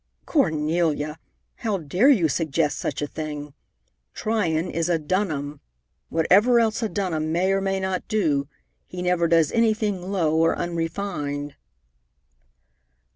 "Cornelia! How dare you suggest such a thing? Tryon is a Dunham. Whatever else a Dunham may or may not do, he never does anything low or unrefined."